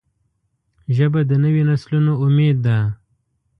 ژبه د نوي نسلونو امید ده